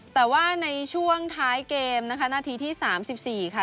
แต่ว่าในช่วงท้ายเกมนะคะนาทีที่๓๔ค่ะ